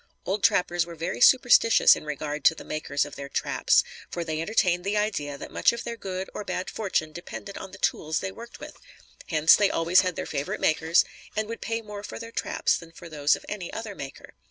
Old trappers were very superstitious in regard to the makers of their traps, for they entertained the idea that much of their good or bad fortune depended on the tools they worked with; hence, they always had their favorite makers, and would pay more for their traps than for those of any other maker.